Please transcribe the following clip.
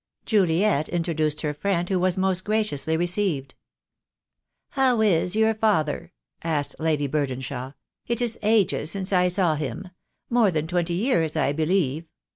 Juliet introduced her friend, who was most graciously received. "How is your father?" asked Lady Burdenshaw. "It is ages since I saw him — more than twenty years I be lieve.